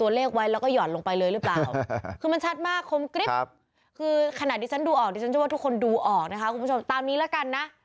ว่าทุกคนดูออกนะคะคุณผู้ชมตามนี้แล้วกันนะ